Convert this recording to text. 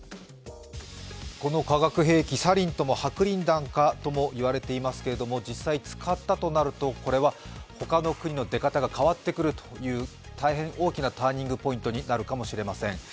この化学兵器、サリンとも白リン弾かともいわれていますが実際使ったとなると他の国の出方が変わってくるという大変大きなターニングポイントになるかもしれません。